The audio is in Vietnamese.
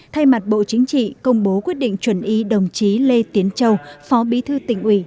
thay mặt bộ chính trị công bố quyết định chuẩn ý đồng chí lê tiến châu phó bí thư tỉnh ủy